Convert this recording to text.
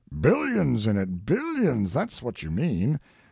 "Billions in it—billions; that's what you mean.